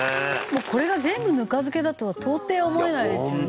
これが全部ぬか漬けだとは到底思えないですよね。